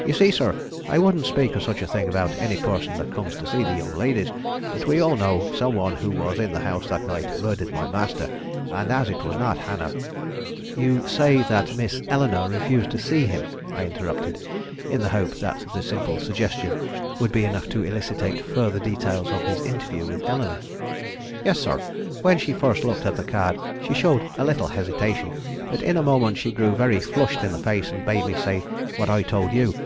"You see, sir, I wouldn't speak of such a thing about any person that comes to see the young ladies; but we all know some one who was in the house that night murdered my master, and as it was not Hannah " "You say that Miss Eleanore refused to see him," I interrupted, in the hope that the simple suggestion would be enough to elicitate further details of his interview with Eleanore. "Yes, sir. When she first looked at the card, she showed a little hesitation; but in a moment she grew very flushed in the face, and bade me say what I told you.